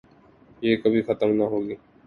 یہ کبھی ختم نہ ہوگی ۔